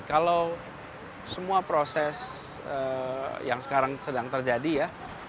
kalau semua proses yang sekarang sedang terjadi ya